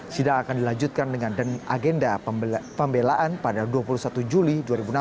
sidang akan dilanjutkan dengan agenda pembelaan pada dua puluh satu juli dua ribu enam belas